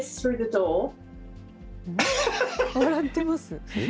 笑ってます。